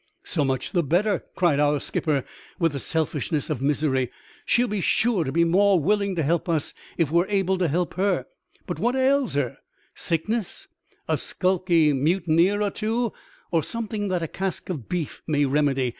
" So much the better,'' cried our skipper, with the selfishness of misery. " She'll be sure to be the more willing to help us if we are able to help hor. But what ails her? Sickness, a skulking mutineer or two, or something that a cask of beef may remedy?"